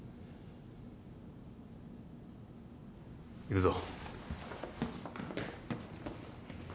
行くぞ。